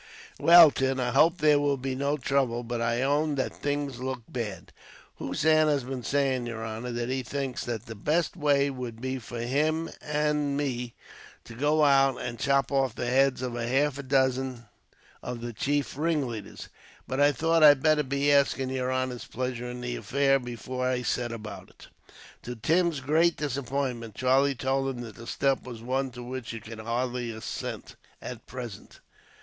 "Well, Tim, I hope there will be no trouble; but I own that things look bad." "Hossein has been saying, yer honor, that he thinks that the best way would be for him and me to go out and chop off the heads of half a dozen of the chief ringleaders. But I thought I'd better be after asking yer honor's pleasure in the affair, before I set about it." To Tim's great disappointment, Charlie told him that the step was one to which he could hardly assent, at present.